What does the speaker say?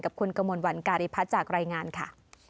กับคุณกมลวันการิพัฒน์จากรายงานค่ะ